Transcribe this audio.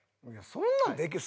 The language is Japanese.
そんなんできる。